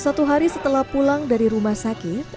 satu hari setelah pulang dari rumah sakit